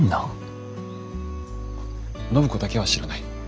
暢子だけは知らない。